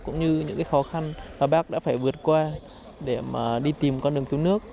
cũng như những khó khăn mà bác đã phải vượt qua để mà đi tìm con đường cứu nước